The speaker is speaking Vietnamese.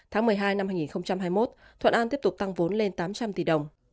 tháng một mươi hai năm hai nghìn hai mươi một thuận an tiếp tục tăng vốn lên tám trăm linh tỷ đồng